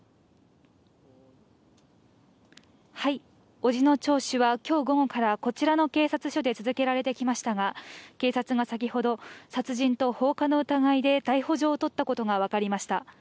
伯父の聴取は今日午後からこちらの警察署で続けられてきましたが、警察が先ほど殺人と放火の疑いで逮捕状を取ったことがわかりました。